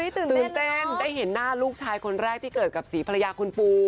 ตื่นเต้นได้เห็นหน้าลูกชายคนแรกที่เกิดกับศรีภรรยาคุณปู